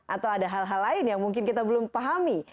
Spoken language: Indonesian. atau ada hal hal lain yang mungkin kita belum pahami